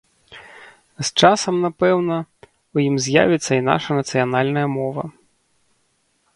З часам, напэўна, у ім з'явіцца і наша нацыянальная мова.